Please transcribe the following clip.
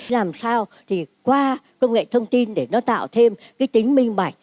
làm sao thì qua công nghệ thông tin để nó tạo thêm cái tính minh bạch